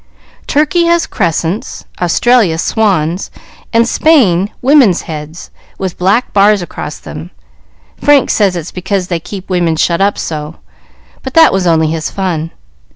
"Turkey has crescents, Australia swans, and Spain women's heads, with black bars across them. Frank says it is because they keep women shut up so; but that was only his fun.